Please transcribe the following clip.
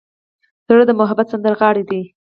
زړه د محبت سندرغاړی دی.